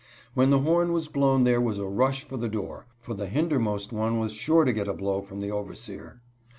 When the horn was blown there was a rush for the door, for the hindermost one was sure to get a blow from the overseer.